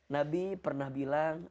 nabi pernah bilang